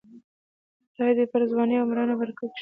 خدای دې پر ځوانۍ او مړانه برکت کښېږدي.